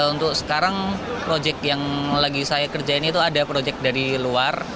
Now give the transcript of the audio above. untuk sekarang proyek yang lagi saya kerjain itu ada proyek dari luar